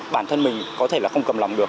bản thân mình có thể là không cầm lòng được